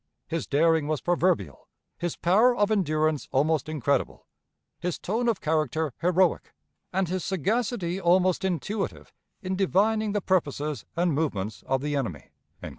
His daring was proverbial; his power of endurance almost incredible; his tone of character heroic; and his sagacity almost intuitive in divining the purposes and movements of the enemy."